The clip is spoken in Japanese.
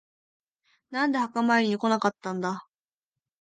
なんで墓参りに来なかったんだ。